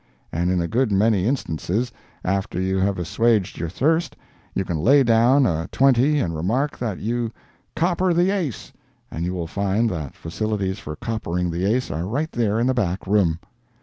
And in a good many instances, after you have assuaged your thirst, you can lay down a twenty and remark that you "copper the ace," and you will find that facilities for coppering the ace are right there in the back room.